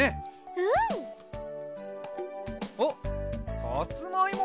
うん。あっさつまいも？